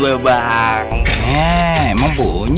kalo aku gak berani